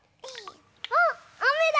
あっあめだ！